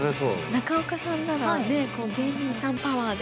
◆中岡さんなら、ねえ、芸人さんパワーで。